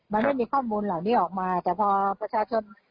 มันไม่มีข้อมูลเหล่านี้ออกมาแต่พอประชาชน